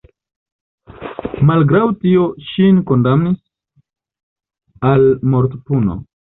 Malgraŭ tio ŝin kondamnis al mortpuno.